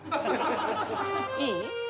いい？